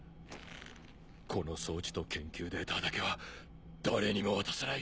この装置と研究データだけは誰にも渡さない。